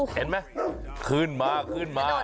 เห็นไหมคลื่นมาคลื่นมา